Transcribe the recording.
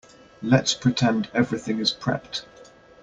Let's pretend everything is prepped.